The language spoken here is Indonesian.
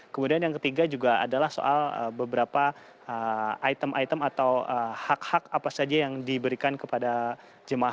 kemudian yang ketiga juga adalah soal beberapa item item atau hak hak apa saja yang diberikan kepada jemaah